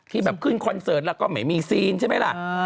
แบบขึ้นคอนเสิร์ตแล้วก็ไม่มีซีนใช่ไหมล่ะ